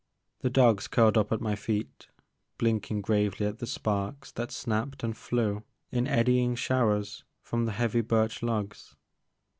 The dogs curled up at my feet, blinking gravely at the sparks that snapped and flew in eddying showers from the heavy birch logs.